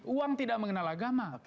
uang tidak mengenal agama